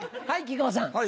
はい。